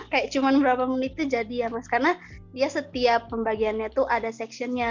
kayak cuma berapa menit itu jadi ya mas karena dia setiap pembagiannya tuh ada seksionnya